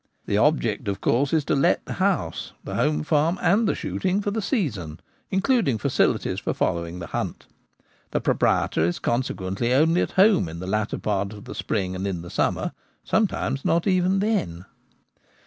The object, of course, is to let the house, the home farm, and the shooting for the season ; including facilities for following the hunt. The proprietor is consequently only at home in the latter part of the spring and in the summer — some times not even then.